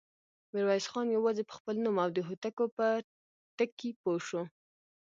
ميرويس خان يواځې په خپل نوم او د هوتکو په ټکي پوه شو.